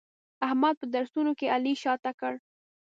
احمد په درسونو کې علي شاته کړ.